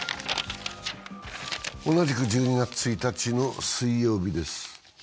同じく１２月１日の水曜日です。